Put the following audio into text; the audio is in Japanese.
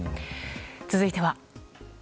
続いては。